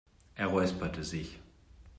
Er räusperte sich.